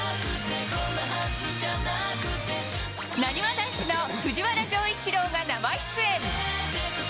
なにわ男子の藤原丈一郎が生出演。